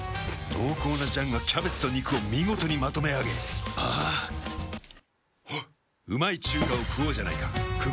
濃厚な醤がキャベツと肉を見事にまとめあげあぁあっ。